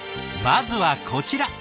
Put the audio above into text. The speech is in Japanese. まずはこちら。